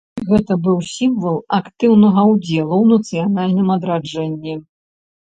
Гэта быў сімвал актыўнага ўдзелу ў нацыянальным адраджэнні.